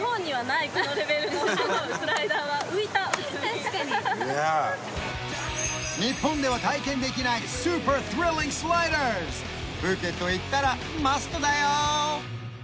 確かに日本では体験できないスーパースリリングスライダーズプーケットへ行ったらマストだよ